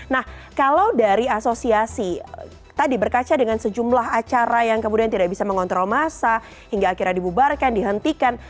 nah kalau dari asosiasi tadi berkaca dengan sejumlah acara yang kemudian tidak bisa mengontrol masa hingga akhirnya dibubarkan dihentikan